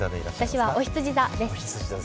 私はおひつじ座です。